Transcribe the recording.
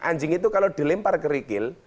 anjing itu kalau dilempar kerikil